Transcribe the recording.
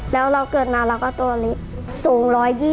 แล้วเราเกิดมาเราก็ตัวเล็กสูง๑๒๐